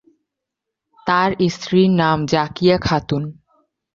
তার স্ত্রীর নাম জাকিয়া খাতুন।